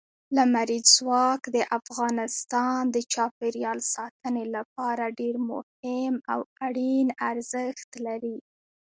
لمریز ځواک د افغانستان د چاپیریال ساتنې لپاره ډېر مهم او اړین ارزښت لري.